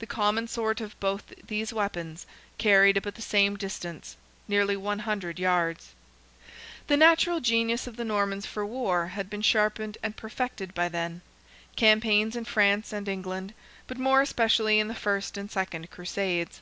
The common sort of both these weapons carried about the same distance—nearly 100 yards. The natural genius of the Normans for war had been sharpened and perfected by their campaigns in France and England, but more especially in the first and second Crusades.